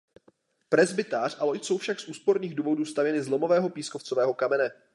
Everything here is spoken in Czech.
Presbytář a loď jsou však z úsporných důvodů stavěny z lomového pískovcového kamene.